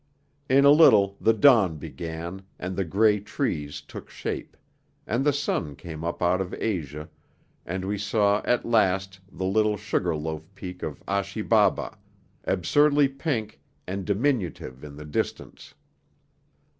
In a little the dawn began, and the grey trees took shape; and the sun came up out of Asia, and we saw at last the little sugar loaf peak of Achi Baba, absurdly pink and diminutive in the distance.